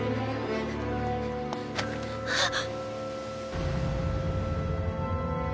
あっ！